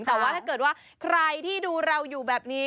แต่ว่าถ้าเกิดว่าใครที่ดูเราอยู่แบบนี้